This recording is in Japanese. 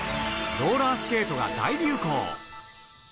ローラースケートが大流行。